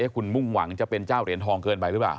คุณมุ่งหวังจะเป็นเจ้าเหรียญทองเกินไปหรือเปล่า